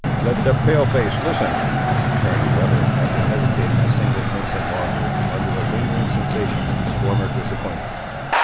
"Let the Pale face listen," returned the other, after hesitating a single instant longer, under a lingering sensation of his former disappointment.